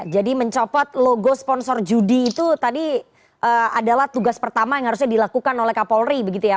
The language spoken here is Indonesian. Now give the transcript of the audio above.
jadi mencopot logo sponsor judi itu tadi adalah tugas pertama yang harusnya dilakukan oleh kapolri begitu ya